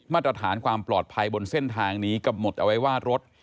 มาตรฐานความปลอดภัยบนเส้นทางนี้กำหนดเอาไว้ว่ารถ